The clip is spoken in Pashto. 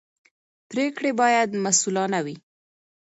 پرېکړې باید مسوولانه وي